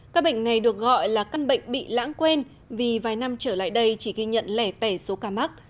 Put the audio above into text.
các bệnh này được gọi là căn bệnh bị lãng quên vì vài năm trở lại đây chỉ ghi nhận lẻ tẻ số ca mắc